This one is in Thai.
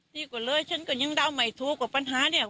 ดีก็เลยฉันก็ยังเดาไม่ถูกว่าปัญหาเนี่ย